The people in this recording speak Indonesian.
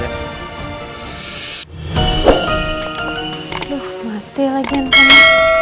aduh mati lagi yang penuh